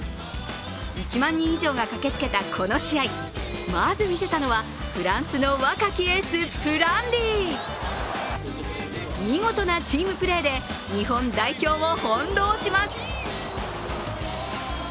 １万人以上が駆けつけたこの試合まずみせたのはフランスの若きエース、プランディ見事なチームプレーで日本代表を翻弄します。